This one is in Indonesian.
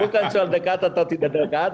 bukan soal dekat atau tidak dekat